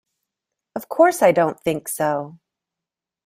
Of course I don’t think so!